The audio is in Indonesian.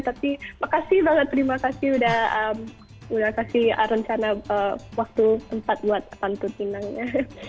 tapi makasih banget terima kasih udah kasih rencana waktu tempat buat pantun minangnya